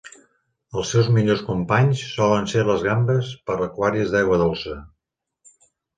Els seus millors companys solen ser les gambes per aquaris d'aigua dolça.